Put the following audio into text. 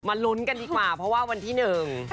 ลุ้นกันดีกว่าเพราะว่าวันที่หนึ่ง